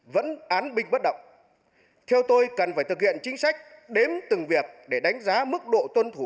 vẫn án binh bất động theo tôi cần phải thực hiện chính sách đếm từng việc để đánh giá mức độ tuân thủ